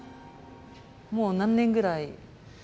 もう何年ぐらい？